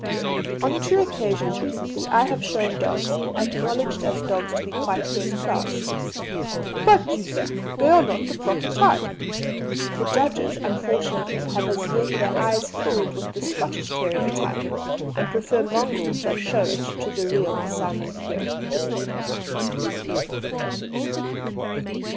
On two occasions recently I have shown dogs, acknowledged, as dogs, to be quite first class, 'but, you see, they are not the proper type.' The judges unfortunately have as yet their eyes filled with the 'Scottish' terrier type and prefer mongrels that show it to the real 'Simon Pure.'"